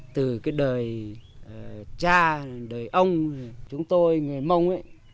từ cái đời cha đời ông chúng tôi người mông ấy